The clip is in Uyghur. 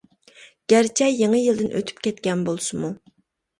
گەرچە يېڭى يىلدىن ئۆتۈپ كەتكەن بولسىمۇ.